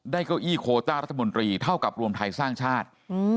เก้าอี้โคต้ารัฐมนตรีเท่ากับรวมไทยสร้างชาติ